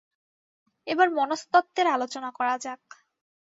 এবার মনস্তত্ত্বের আলোচনা করা যাক।